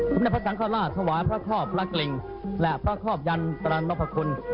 คุณพระกัลศาสตร์ถวายพระครอบพระกลิ่งและพระครอบยันตรนพระคุณ